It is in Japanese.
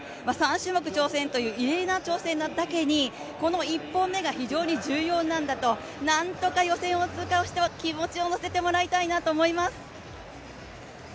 ３種目挑戦という異例の挑戦なだけにこの１本目が非常に重要なんだとなんとか予選を通過して気持ちを乗せてもらいたいなと思います。